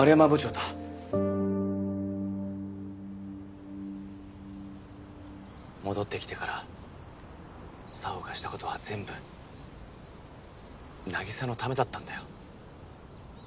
現在戻ってきてから沙帆がしたことは全部凪沙のためだったんだよ。